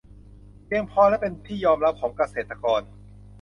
เพียงพอและเป็นที่ยอมรับของเกษตรกร